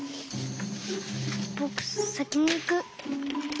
ぼくさきにいく。